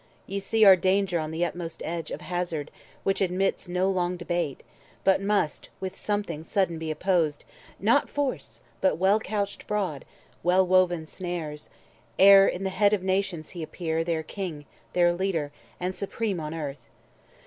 Ye see our danger on the utmost edge Of hazard, which admits no long debate, But must with something sudden be opposed (Not force, but well couched fraud, well woven snares), Ere in the head of nations he appear, Their king, their leader, and supreme on Earth.